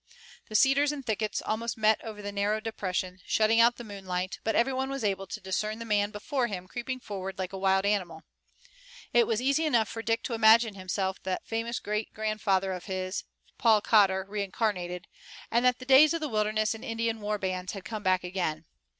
The cedars and thickets almost met over the narrow depression, shutting out the moonlight, but every one was able to discern the man before him creeping forward like a wild animal. It was easy enough for Dick to imagine himself that famous great grandfather of his, Paul Cotter reincarnated, and that the days of the wilderness and the Indian war bands had come back again.